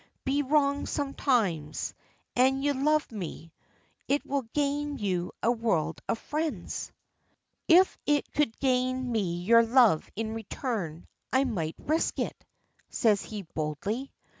Be wrong sometimes, an' you love me, it will gain you a world of friends." "If it could gain me your love in return, I might risk it," says he boldly.